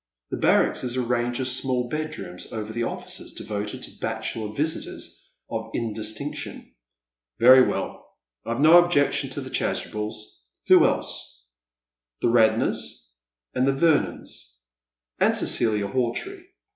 The baiTacks is a range of small bedrooms over the offices, devoted to bachelor visitors of indistinction. "Very well ; I've no objection to the Chasubels. Who else?" " The Radnors, and the Vernons, and Cecilia Hawtree."